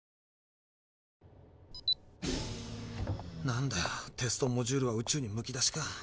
なんだよテストモジュールは宇宙にむき出しか。